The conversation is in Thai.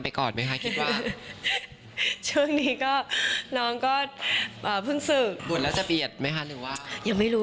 ตอนนี้บททนวันนี้